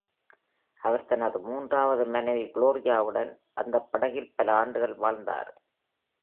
அவர் தனது மூன்றாவது மனைவி Gloria-வுடன் அந்தப் படகில் பல ஆண்டுகள் வாழ்ந்தார்.